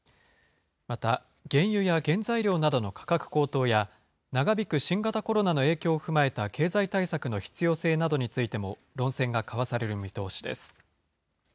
また、原油や原材料などの価格高騰や、長引く新型コロナの影響を踏まえた経済対策の必要性などについても、論戦が交わされる見通しです。